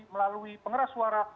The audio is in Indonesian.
melalui pengeras suara